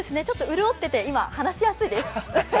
ちょっと潤ってて今、話しやすいです。